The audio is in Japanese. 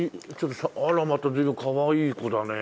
あらまた随分かわいい子だね。